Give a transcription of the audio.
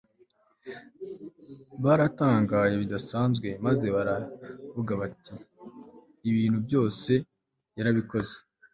baratangaye bidasanzwe maze baravuga bati “ ibintu byose yabikoze